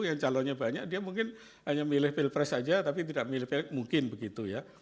yang calonnya banyak dia mungkin hanya milih pilpres saja tapi tidak milih pilih mungkin begitu ya